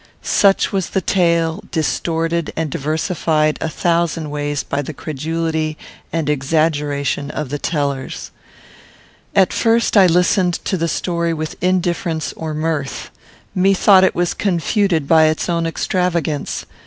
Such was the tale, distorted and diversified a thousand ways by the credulity and exaggeration of the tellers. At first I listened to the story with indifference or mirth. Methought it was confuted by its own extravagance.